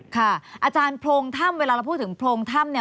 ค่ะอาจารย์พรงท่ำเวลาเราพูดถึงพรงท่ำ